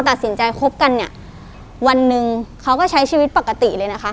ตัดสินใจคบกันเนี่ยวันหนึ่งเขาก็ใช้ชีวิตปกติเลยนะคะ